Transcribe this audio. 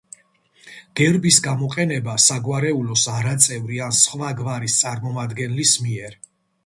გერბის გამოყენება საგვარეულოს არაწევრი ან სხვა გვარის წარმომადგენლის მიერ.